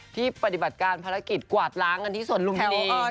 ปฏิบัติการภารกิจกวาดล้างกันที่สวนลุมพินี